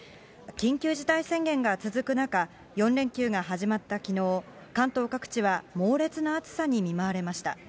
緊急事態宣言が続く中、４連休が始まったきのう、関東各地は猛烈な暑さに見舞われました。